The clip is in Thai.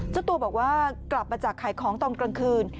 เจ้าตัวบอกว่ากลับมาจากขายของตอนกลางคืน